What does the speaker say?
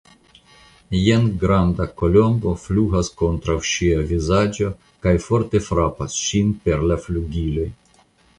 Jen granda Kolombo flugas kontraŭ ŝia vizaĝo kaj forte frapas ŝin per la flugiloj.